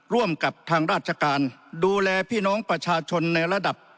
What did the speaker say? ร่วมกับทางราชการดูแลพี่น้องประชาชนในระดับ